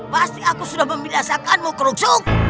pasti aku sudah memilasakanmu keruksuk